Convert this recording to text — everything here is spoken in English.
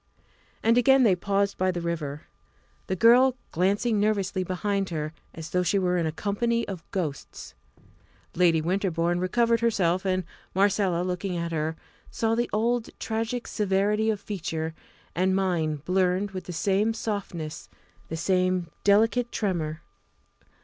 And again they paused by the river, the girl glancing nervously behind her as though she were in a company of ghosts. Lady Winterbourne recovered herself, and Marcella, looking at her, saw the old tragic severity of feature and mien blurred with the same softness, the same delicate tremor.